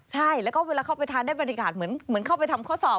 ใช่แล้วก็เวลาเข้าไปทานได้บรรยากาศเหมือนเข้าไปทำข้อสอบ